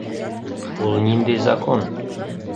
Ул ниндәй закон?